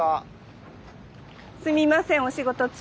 すみませんお仕事中。